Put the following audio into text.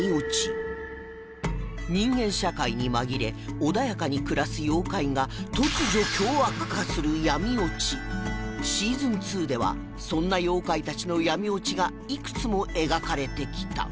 人間社会に紛れ穏やかに暮らす妖怪が突如凶悪化する闇落ちシーズン２ではそんな妖怪たちの闇落ちがいくつも描かれてきた